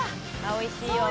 おいしいよ。